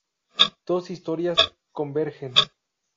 Dos historias convergen.